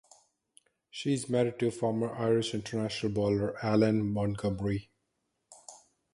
She is married to former Irish International bowler Alan Montgomery.